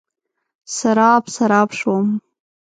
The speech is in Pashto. سراب، سراب شوم